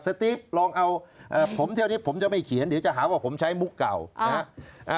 สติ๊บลองเอาผมเท่านี้ผมจะไม่เขียนหรือจะหาว่าผมใช้มุกเก่านะ